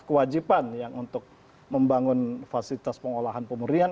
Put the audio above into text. kewajiban yang untuk membangun fasilitas pengolahan pemurian